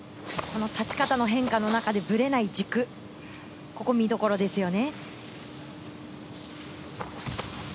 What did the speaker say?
立ち方の変化の中でぶれない軸、ここ、見どころですよね。